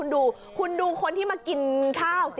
คุณดูคุณดูคนที่มากินข้าวสิ